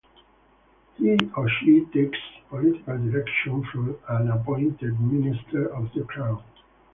He or she takes political direction from an appointed minister of the Crown.